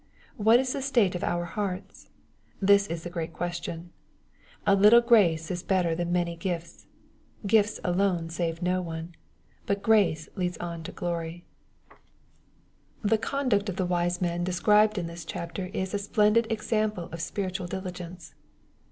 What is the state of our hearts ? This is the great question. A little grace is better than many gifts. Gifts alone save no one. But^grace leads on to glory. IS EXPOSITORY THOUOHTa The conduct of the wise men described in this chaptei \is aaplendid example of spiritual diligence.